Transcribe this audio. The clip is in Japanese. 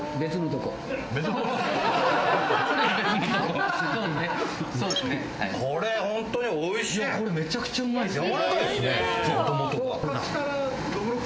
これめちゃくちゃうまいですね。